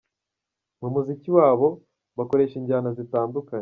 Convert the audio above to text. Mu muziki wabo, bakoresha injyana zitandukanye.